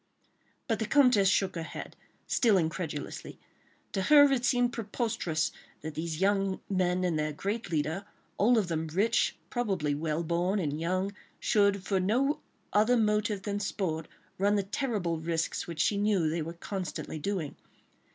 But the Comtesse shook her head, still incredulously. To her it seemed preposterous that these young men and their great leader, all of them rich, probably well born, and young, should for no other motive than sport, run the terrible risks, which she knew they were constantly doing.